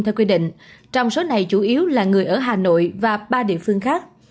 theo quy định trong số này chủ yếu là người ở hà nội và ba địa phương khác